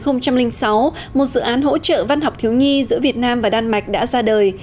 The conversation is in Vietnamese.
năm hai nghìn sáu một dự án hỗ trợ văn học thiếu nhi giữa việt nam và đan mạch đã ra đời